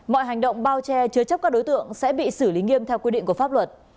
mọi hành động bao che chứa chấp các đối tượng sẽ bị xử lý nghiêm theo quy định của pháp luật